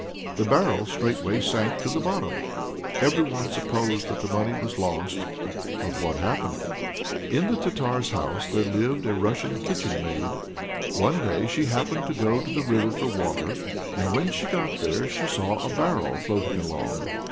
The barrel straightway sank to the bottom; everyone supposed the money was lost. But what happened? In the Tartar's house there lived a Russian kitchen maid. One day she happened to go to the river for water, and when she got there she saw a barrel floating along.